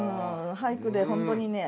俳句で本当にね